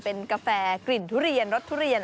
เป็นกาแฟกลิ่นทุเรียนรสทุเรียน